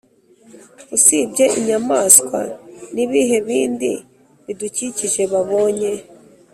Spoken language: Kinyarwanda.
usibye inyamaswa ni ibihe bindi bidukikije babonye?